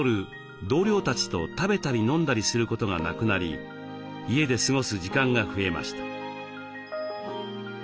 同僚たちと食べたり飲んだりすることがなくなり家で過ごす時間が増えました。